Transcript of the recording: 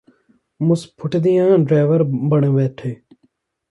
ਮੁਸ ਫੁਟਦਿਆਂ driver ਬਣ ਬੈਠੇ